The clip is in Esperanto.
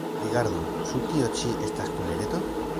Rigardu: ĉu tio ĉi estas kulereto?